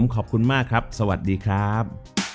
ขอบคุณมากครับสวัสดีครับ